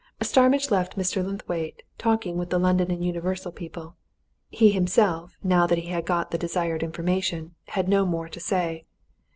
Starmidge left Mr. Linthwaite talking with the London & Universal people; he himself, now that he had got the desired information, had no more to say.